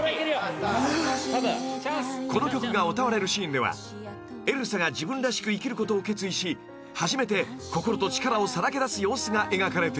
［この曲が歌われるシーンではエルサが自分らしく生きることを決意し初めて心と力をさらけ出す様子が描かれています］